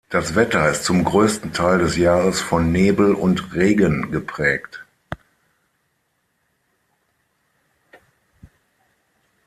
Das Wetter ist zum größten Teil des Jahres von Nebel und Regen geprägt.